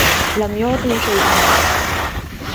لم يعطوا شيئاً.